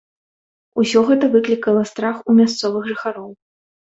Усё гэта выклікала страх у мясцовых жыхароў.